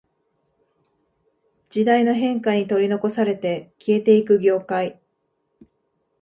時代の変化に取り残されて消えていく業界